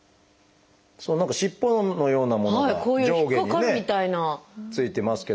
何か尻尾のようなものが上下にね付いてますけど。